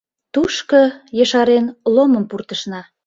Тушко, ешарен, Ломым пуртышна.